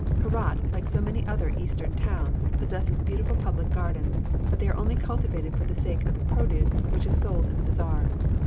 Herat, like so many other Eastern towns, possesses beautiful public gardens, but they are only cultivated for the sake of the produce, which is sold in the bazaar.